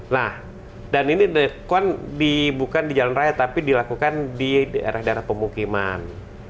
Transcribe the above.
nah dan ini bukan di jalan raya tapi dilakukan di daerah daerah pemukiman